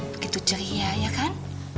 begitu ceria ya kan